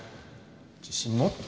自信持って。